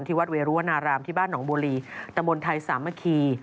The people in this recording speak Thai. ที่วัดเวรุวนารามที่บ้านหนองบูรีตะบนไทย๓มคีย์